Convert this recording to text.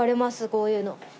こういうの。